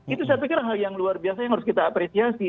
itu saya pikir hal yang luar biasa yang harus kita apresiasi